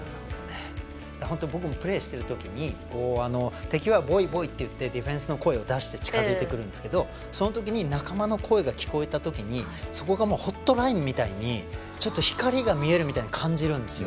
僕もプレーしてるときに敵は「ボイ」って言ってディフェンスの声を出して近づいてくるんですけど仲間の声が聞こえたときにそこがホットラインみたいに光が見えるみたいに感じるんですよ。